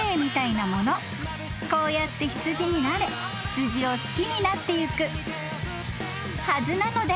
［こうやって羊に慣れ羊を好きになっていくはずなので］